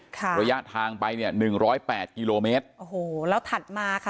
ระยะทางไปเนี่ยหนึ่งร้อยแปดกิโลเมตรโอ้โหแล้วถัดมาค่ะ